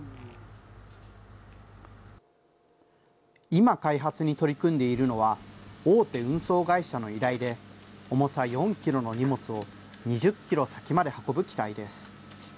今開発に取り組んでいるのは、大手運送会社の依頼で、重さ４キロの荷物を２０キロ先まで運ぶ機体です。